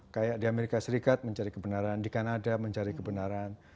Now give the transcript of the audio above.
kayak di amerika serikat mencari kebenaran di kanada mencari kebenaran